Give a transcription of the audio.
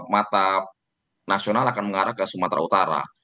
mata nasional akan mengarah ke sumatera utara